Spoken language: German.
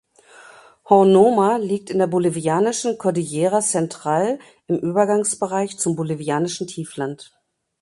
Hornoma liegt in der bolivianischen Cordillera Central im Übergangsbereich zum bolivianischen Tiefland.